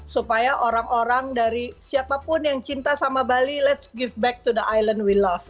supaya orang orang dari siapapun yang cinta sama bali ⁇ lets ⁇ give back to the island we love